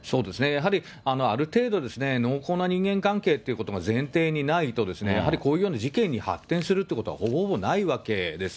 やはりある程度、濃厚な人間関係ってことが前提にないと、やはりこういうような事件に発展するということはほぼほぼないわけです。